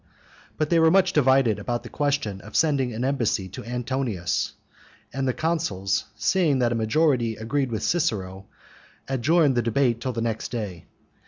But they were much divided about the question of sending an embassy to Antonius, and the consuls, seeing that a majority agreed with Cicero, adjourned the debate till the next day.